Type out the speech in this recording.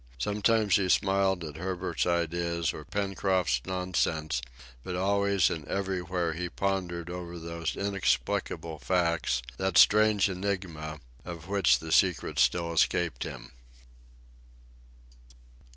Sometimes he smiled at Herbert's ideas or Pencroft's nonsense, but always and everywhere he pondered over those inexplicable facts, that strange enigma, of which the secret still escaped him!